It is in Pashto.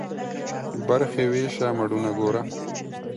برخي ويشه ، مړونه گوره.